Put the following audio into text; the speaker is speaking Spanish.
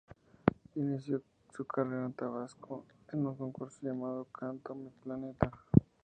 Inició su carrera en Tabasco en un concurso llamado "Canto a mi planeta".